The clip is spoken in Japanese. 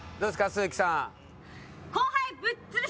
鈴木さん。